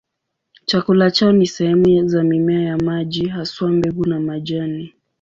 Chakula chao ni sehemu za mimea ya maji, haswa mbegu na majani.